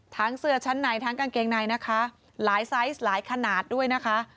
เสื้อชั้นในทั้งกางเกงในนะคะหลายไซส์หลายขนาดด้วยนะคะ